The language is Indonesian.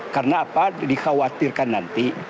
karena apa dikhawatirkan nanti